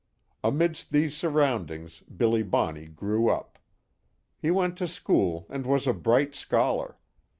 Amidst these surroundings, Billy Bonney grew up. He went to school and was a bright scholar.